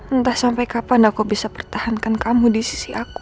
entah sampai kapan aku bisa pertahankan kamu di sisi aku